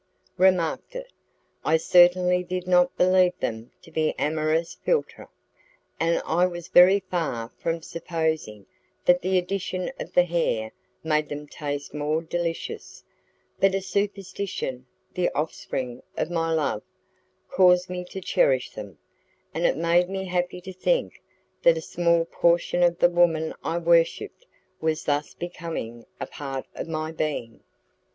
remarked it. I certainly did not believe them to be amorous philtre, and I was very far from supposing that the addition of the hair made them taste more delicious; but a superstition, the offspring of my love, caused me to cherish them, and it made me happy to think that a small portion of the woman I worshipped was thus becoming a part of my being.